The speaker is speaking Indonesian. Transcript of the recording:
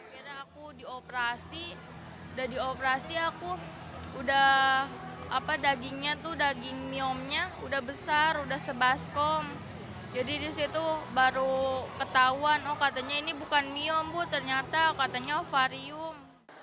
miumnya sudah besar sudah sebaskom jadi di situ baru ketahuan oh katanya ini bukan mium bu ternyata katanya ovarium